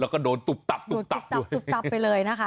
แล้วก็โดนตุ๊บตับตุ๊บตับตับตุ๊บตับไปเลยนะคะ